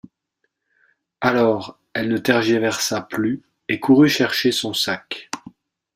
Alors elle ne tergiversa plus et courut chercher son sac.